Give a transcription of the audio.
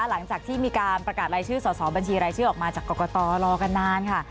หลังจากที่มีการประกาศรายชื่อสอบบัญชีรายชื่อออกมาจากกรกตรอกันนานค่ะ